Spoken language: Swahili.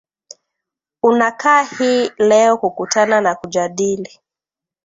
unakaa hii leo kukutana na kujadili